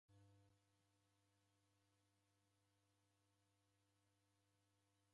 Mori ghuchagha nialow'ua.